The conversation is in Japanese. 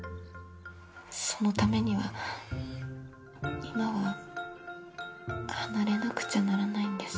そのためには今は離れなくちゃならないんです。